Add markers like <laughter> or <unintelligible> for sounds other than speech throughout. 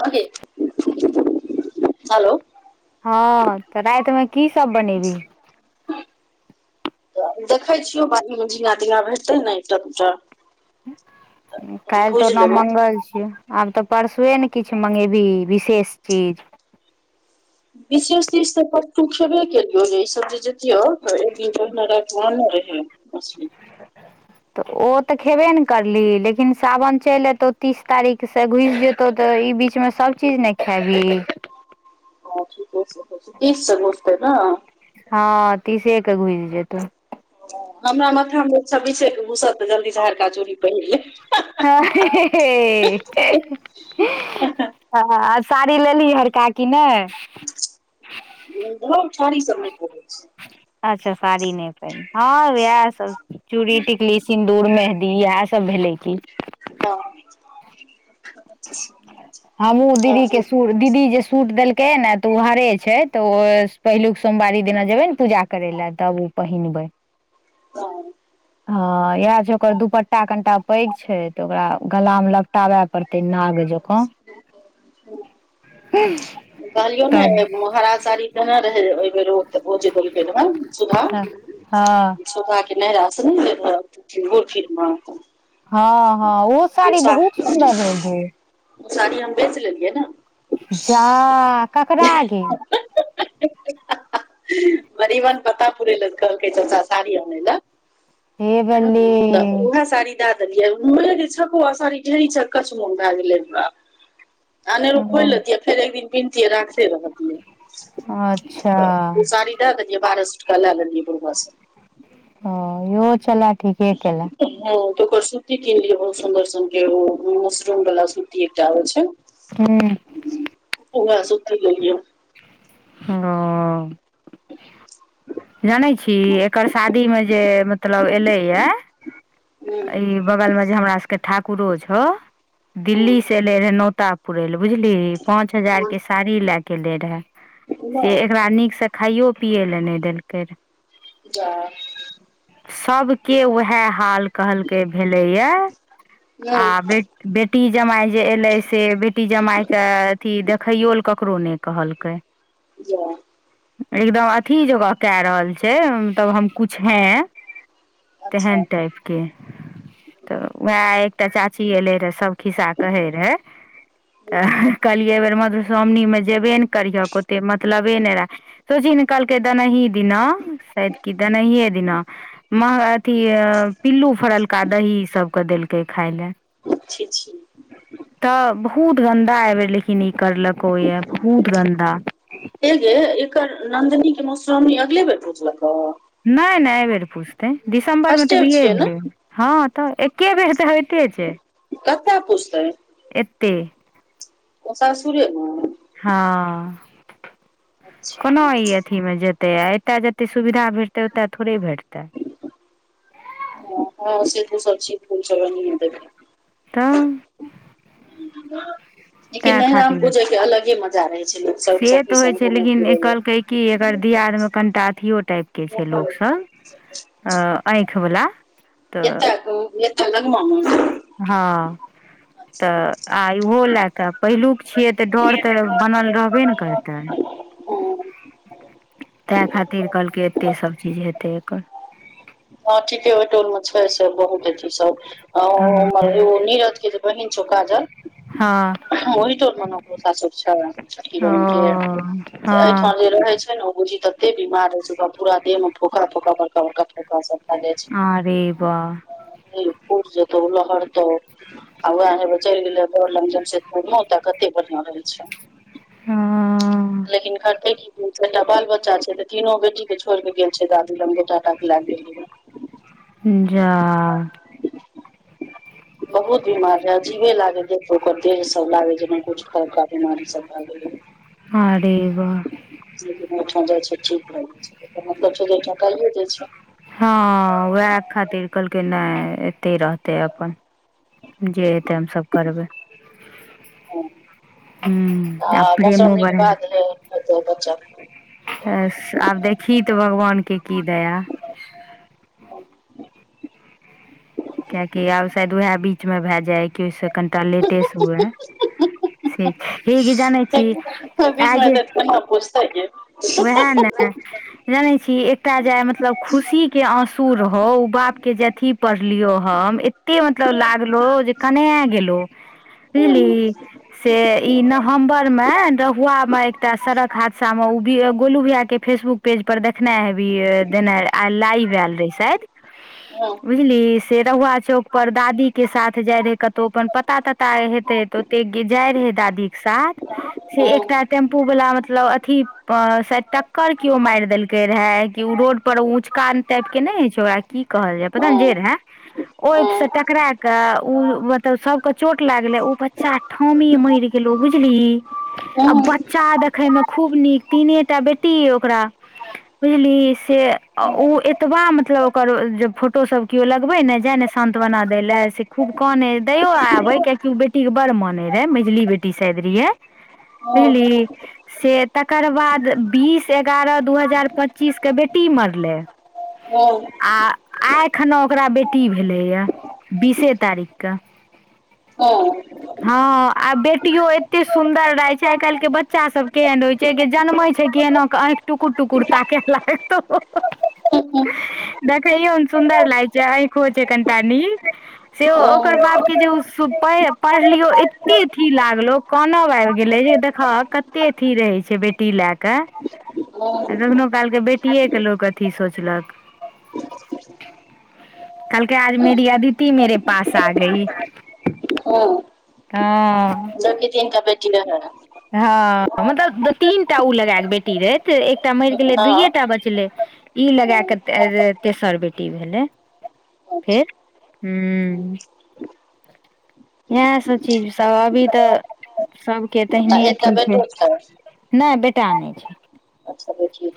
हँ गैय, हलो। हँ तऽ रातिमे की सब बनेबही। देखैय छियौ बारी में झिंगा तिंगा भेटतै नऽ एकटा दूटा। ऊं काल्हि तऽ भुजि ओना लेबै मंगल छियै। आब तऽ परसुए ने किछु मँंगेबही विशेष चीज। विशेष चीज तऽ परसु खेबे केलियौ जे ई सभ चीज जे छियौ तऽ एक दिन पहिने राइत में अनने रहीयै। <unintelligible> तऽ ओ तऽ खेबे ने करलीही लेकिन सावन चैल एत्तौ तीस तारीख से घुइस जे तौ तऽ ई बीच में सब चीज ने खेबही। हँ ठीके छैय, तीस सँ घुसतै तऽ। हँ तीसे के घुइस जेतैय। हमरा माथा में छब्बीसे के घूसत तऽ जल्दी सँ हरका चूड़ी पहिर लेब। हँ हे हे हे। आ -आ -आ साड़ी लेलही हरका कि नहि। धौर साड़ी सब नै पहीरै छी। अच्छा साड़ी नहि पहिनै हँ इएह सब चूड़ी टिकली सिन्दूर मेहदी इएह सब। तब भेलै कि। हँ हमहु दीदी के हँ सुर। दीदी जे सूट देलकै ने तऽ ओ हरे छैय तऽ ओ पहिलुक सोमवारी दिना जेबे अःअःअःऑःने पूजा करै लऽ तब ओ पहिनबै। <inaudible> हँ इएह छैय ओकर दुपट्टा कनटा पैघ छैय तऽ ओकरा गला में लपटावय प तैइ नाग जकाँ। <unintelligible> <unintelligible> कहलियौ नइ तब अइ म हरा साड़ी देने रहैय ओहि बेर ओ। तऽ ओ जे <unintelligible> सुधा। हँ सुधा कें नैहरा से नइ एलौ गुड़ खीर म। हँ हँ ओ साड़ी बहुत सुन्दर रहौ गे। ओ साड़ी हम बेच लेलियै नऽ। जा ककरा गे। <unintelligible> मरीबन पता पुरे लऽ कहलकै चच्चा साड़ी अऽ नैय लऽ। हे बल्ले तऽ ओएह साड़ी दाए देलियै, उए जे छपुआ साड़ी ढ़ेरी छैय, अकच्छ मोन भाए गेलैय। आनेरु हँ खोलि लेतियै फेर एक दिन पिन्हतियै राखते रहतियै। अच्छा दाए देलियै बारह सए टाका लाए देलियै बुढ़वा सँ। हं इहो छले ठीके केंले। हं त ओकर सूती किनलिय हाउसमबर, ओ मशरूम बला सूती एकटा आबि छय। हूं। उहे सुति लेल ये। हं अ। जानै छी, एकर शादी में जे मतलब एले ये। हूँ ई बगल में जे हमरा सबके ठाकुरो छौ, दिल्ली हूँ से एले रहे नोता- पुरेले बुझलीही, पांच हजार के साड़ी ले के ऐले रहे, से हूँ एकरा नीक स- खाइयो पिय ले नहि देलके रहे। जा। सब के उएह हाल कहलकै भेले ये, आ हम्म बे- बेटी जमाय जे एलै से, बेटी जमाय के अथी देखैयो ले ककरो नहि कहलकै। जा। एकदम अथी जे के रहल छै, तब हम कुछ हैं। तेहन अच्छा टाइप- के त वैह आय एकटा चाची एले रहे सब खिस्सा कहे रहे। त कहलियै ऐ बेेर मधुश्रावणी मे, जेबे ने करिहक ओते मतलबे ने राख। तू छी न। कहलकय दनहि दिन आउ, शायद की दनेही दिना, माह अथी। पिल्लू फरलका दहीई सबके देलकै खाय ले। छी छी। त बहुत गन्दा अयबेर, लेकिनई करलकओ ये बहुत गन्दा। ऐंगे एकर नन्दिनी के मोउश्रावणी अगले बेर पुजलको। नय नय एहिबेर पुजतय, दिसम्बर में ते फर्स्टे विहे छियै ने भेलय ये। हं त एके बेर त होइते छै। कत पुस्तय। ऐतय। सासुरे में। हं अच्छा कोना इ अथि- अथी में जेतय आ अत जते सुविधा भेटतै, ओत थोड़े भेटतै। हं- हं से तू सबछी फूल सब अनिये दे भी। तं। <inaudible> लेकिन नहिरामें पूजय के अलगे मजा रहै छै लोक सब सखीसंग घूमै फिरैये। की एकर दियादमे कनिटा अथियो टाइपके छै लोक सब। <inaudible> हं आंखिबला। त एतय एतय लगमा हं त मे आई ऊहो ले। त पहिलुक छय त डर, त बनल रहबे ने करतय। तें खातिर कहलकै, एते सभचीज हेतै एकर। हं ठीके ओयटोल में छै, से बहुत अथी सब। हां अ हँ उमहर ओ नीरज के जे बहिन छो काजल। हं। हं ओहिटोल मेने ओकरो सासुर छै, छोटकी ओ बहिन के। हँ एहिठाम जे रहै छै ने बुझी ते एते बीमार रहै छै ओ पूरा देह मे फोका फोका, बड़का बड़का फोका सब आरे बा पुर जेतौ लहरतौ आ वएह हेबेचेल गेले <unintelligible> बड़ लग जमशेदपुर ओता कते कते बढ़िया रहै छै। हँ लेकिन करते की तीन चारिटा बाल बच्चा छै ते तीनो बेटी। तऽ छोड़ि के गेल छै दादू लग ओ टाटा लए गेलैहे। जा। बहुत बीमार है, अजीबे लागे है। ओकर देह सब लागे जेना कुछ खलका बीमारी सब भ गेलै। आरे बा। लेकिन ओहि ठाम जाइ छैय ठीक रहै छैय मतलब छै जे ठाम काल्हि जाय छै हँ वैह खातिर कहलकै नहि एते रहतै अपन। जे हेतै हमसभ करबै। ह <inaudible> हूं। आ मौसम्मी के बाद एलै होतै बच्चा आब देखी त भगवान के की दया कियाकि आब शायद वैह बीचमे भए जाइ कि ओहिसँ कनिटा लेटे से हुए। ठीक से ई जानै छी? से बीच मे कोनो बुझैत जे ओहै ने। जानै छीही एकटा जे आइ मतलब खुशी के आँसू रहौ ओ बाप के जे अथि पढ़ लियो हम एते मतलब लागलो जे कना गेलो, हूं बुझलही। से इ नवंबर मे रहुआ में एकटा सड़क हादसा में गोलू भैया के फेसबुक पेज पर देखने हेबही देने आइ लाइव एयल रहै शायद। हँ। बुझलिही से रहुआ चौक पर दादी के साथ जाय रहे कतौ अपन पता तता हेतै तऽ ते जाइ रहै दादी के साथ से हूं एकटा टेम्पू वाला मतलब अथि टक्कर केओ मारि देलकै रहे कि ओ रोड पर उचकान टाइप के नहि रहै छै ओकरा कि कहल जाय पता नै हूं जे हूं रहै। ओहि सऽ टकरा कऽ उ मतलब सबके चोट लागले उ बच्चा ठामहि मरि गेलो बुझलीही आ बच्चा देखे में खूब नीक। तीनेटा बेटीए ओकरा। बुझलीही से ओ एतबा मतलब ओकर जे फोटो सब केओ लगबे ने जाय ने सान्त्वना दय ले से खूब कनै दयो आबे कियाकि बेटी कऽ बड़ मान रहे मझली बेटी शयद रहै हूं हूं बुझली से त तकर बाद बीस एगारह दू हजार पच्चीस के बेटी मरलै हूं आ आइ अखनो ओकरा बेटी भेलैए बीसे तारीख के हँ। हँ आ बेटियो एते सुंदर रहय छै आइ काल् के बच्चा सब केहन रहय छै। जे के जनमै छै के एना कऽ आँखि टुकुर टुकुर ताके लागतो। देखैयौमे सुन्दर लागै छै ऐंखो छै कनिटा नीक। से ओकर बाप के जे पढ़लियो एते अथि लागलो। कानब आबि गेलै जे देखह कते। अथी रहै छै बेटी लए कऽ। आ कखनो काल क बेटीए के लोक अथी सोचलक। कहलके आज मेरी अदिति मेे पास आ गई। हँ। हाँ। तननकटा बेैटी ल है। हँ मतलब दु तीन टा ओ लगाक बेटी रहै, एकटा मरि गेलै हँ दुइए आ टा बचले। बचल ई लगा क तेसर बेटी भेलै। फेर हुं। इहै सब चीज सब अभी तऽ। सभके तहिने एकटा अथी छै, बेटो नहि बेटा नहि छैय। आबे छी।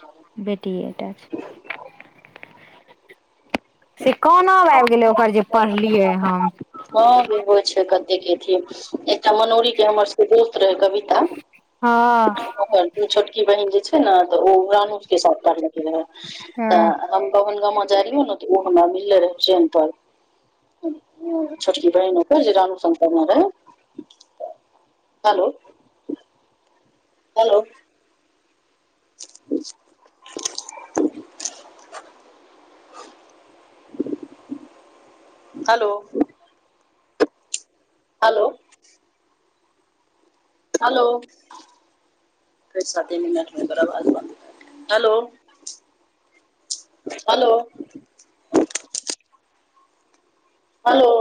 बेटीये टा छै। से कोनाब आबि गेलै ओकर जे पढ़लियै हँ। हँ इहो छै, कतेक अथी एकटा मनोरीक के हमर सभक दोस्त रहै कविता। हँ। ओकर छोटकी बहिन जे छै, ने तऽ ओ रानु के साथ पढ़लक रहे तऽ। हँ हम बवन गामा जाइ रहियौ, ने तऽ ओ हमरा मिलले रहय ट्रेन पर। छोटकी बहिन ओकर जे रानू संग पढ़ने रहै। Hello. Hello. Hello. Hello. Hello फेर साते मिनट मे एकर आवाज बंद भ गेलै हलो। हेलो। हेलो।